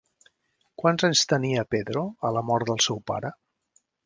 Quants anys tenia Pedro a la mort del seu pare?